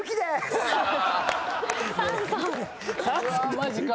マジか！